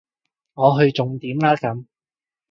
我去重點啦咁